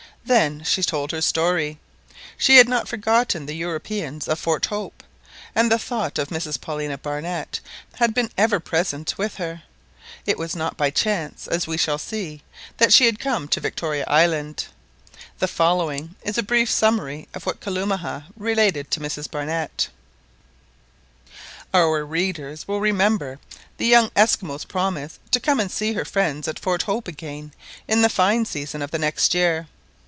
Then she told her story: she had not forgotten the Europeans of Fort Hope, and the thought of Mrs Paulina Barnett had been ever present with her. It was not by chance, as we shall see, that she had come to Victoria Island. The following is a brief summary of what Kalumah related to Mrs Barnett:— Our readers will remember the young Esquimaux's promise to come and see her friends at Fort Hope again in the fine season of the next year.